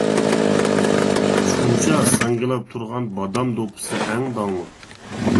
چۇچا ساڭگىلاپ تۇرغان بادام دوپپىسى ئەڭ داڭلىق.